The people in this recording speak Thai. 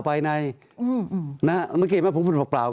ตั้งแต่เริ่มมีเรื่องแล้ว